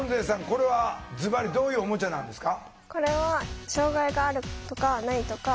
これはズバリどういうおもちゃなんですか？